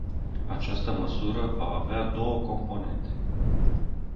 Această măsură va avea două componente.